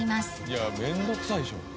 いや面倒くさいでしょ。